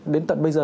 đến tận bây giờ